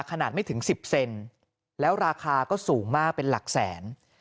ขนาดไม่ถึง๑๐เซนแล้วราคาก็สูงมากเป็นหลักแสน